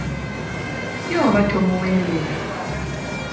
Ye oba tomuwembera.